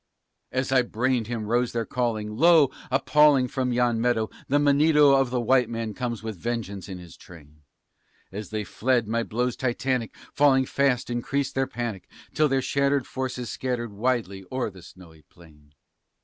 As I brained him rose their calling, "Lo! appalling from yon meadow The Monedo of the white man comes with vengeance in his train!" As they fled, my blows Titanic falling fast increased their panic, Till their shattered forces scattered widely o'er the snowy plain.